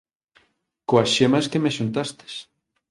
Coas xemas que me xuntastes